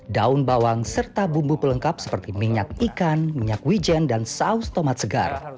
daun bawang serta bumbu pelengkap seperti minyak ikan minyak wijen dan saus tomat segar